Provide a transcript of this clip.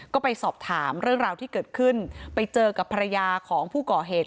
ก็ไปสอบถามเรื่องราวที่เกิดขึ้นไปเจอกับภรรยาของผู้ก่อเหตุ